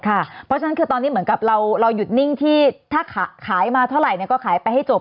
เพราะฉะนั้นคือตอนนี้เหมือนกับเราหยุดนิ่งที่ถ้าขายมาเท่าไหร่ก็ขายไปให้จบ